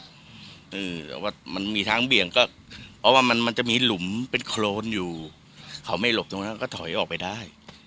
แต่ว่ามันมีทางเบี่ยงก็เพราะว่ามันมันจะมีหลุมเป็นโครนอยู่เขาไม่หลบตรงนั้นก็ถอยออกไปได้